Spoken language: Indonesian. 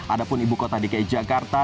ada pun ibu kota dki jakarta